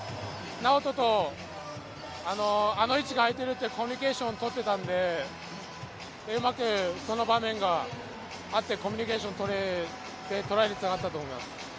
直人と、あの位置があいているとコミュニケーションが取れたので、うまくその場面があってコミュニケーションを取ってトライにつながったと思います。